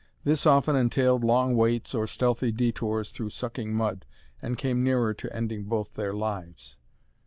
This often entailed long waits or stealthy detours through sucking mud, and came near to ending both their lives.